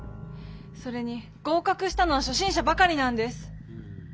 それに合かくしたのはしょ心者ばかりなんです。